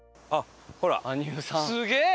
すげえ！